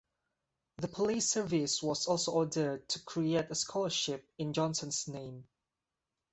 The police service was also ordered to create a scholarship in Johnson's name.